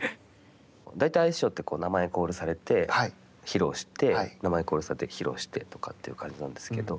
大体アイスショーって、名前をコールされて、披露して、名前コールされて、披露してとかという感じなんですけれども。